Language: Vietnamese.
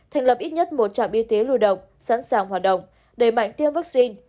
thành lập ít nhất một trạm y tế lưu động sẵn sàng hoạt động đầy mạnh tiêm vaccine